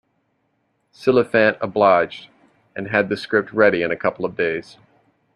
Silliphant obliged, and had the script ready in a couple of days.